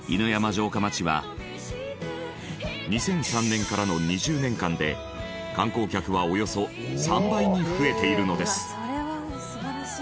城下町は２００３年からの２０年間で観光客はおよそ３倍に増えているのです。